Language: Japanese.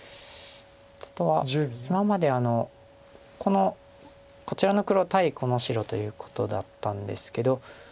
あとは今までこのこちらの黒対この白ということだったんですけど。